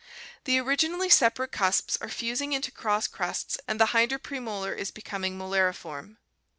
The originally separate cusps are fusing into cross crests and the hinder premolar is becoming molariform.